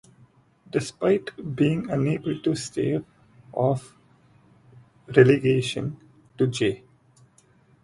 Despite being unable to stave off relegation to J.